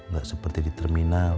gak seperti di terminal